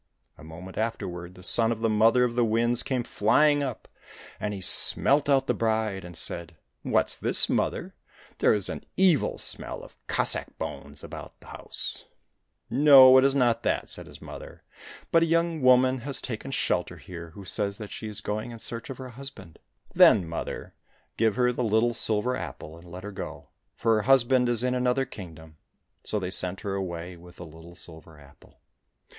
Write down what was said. A moment afterward the son of the Mother of the Winds came flying up, and he smelt out the bride, and said, '' What's this, mother ? There is an evil smell of Cossack bones about the house !"—" No, it is not that," said his mother, " but a young woman has taken shelter here, who says that she is going in search of her husband." —" Then, mother, give her the little silver apple, and let her go, for her husband is in another kingdom." So they sent her away with the little silver apple.